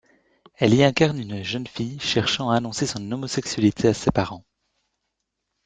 Elle y incarne une jeune fille cherchant à annoncer son homosexualité à ses parents.